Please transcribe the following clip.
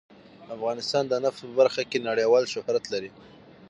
افغانستان د نفت په برخه کې نړیوال شهرت لري.